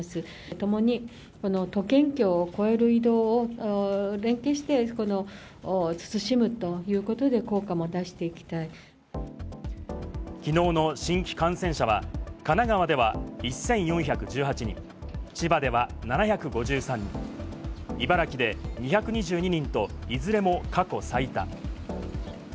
共にこの都県境を越える移動を連携して慎むということで、効果もきのうの新規感染者は、神奈川では１４１８人、千葉では７５３人、茨城で２２２人と、いずれも過去最多。